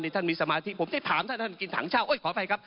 ท่านมีสมาธิผมได้ถามท่านท่านกินถังเช่าโอ้ยขออภัยครับ